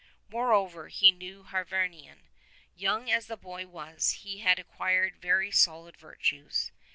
Moreover, he knew Hyvarnion. Young as the boy was he had acquired very solid virtues.